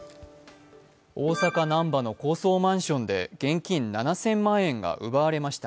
大阪・難波の高層マンションで現金７０００万円が奪われました。